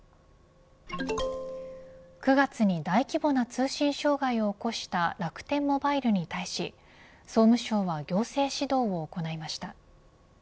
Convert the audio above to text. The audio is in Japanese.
９月に大規模な通信障害を起こした楽天モバイルに対し総務省は行政指導を行いました。